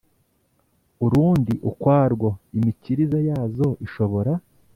urundi ukwarwo imikirize yazo ishobora